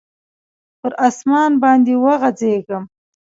پر اسمان باندي وغځیږم